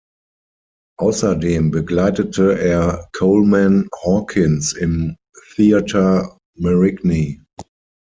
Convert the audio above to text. Außerdem begleitete er Coleman Hawkins im Theatre Marigny.